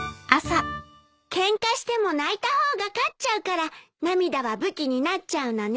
ケンカしても泣いた方が勝っちゃうから涙は武器になっちゃうのね。